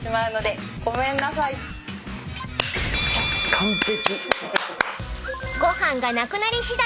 完璧。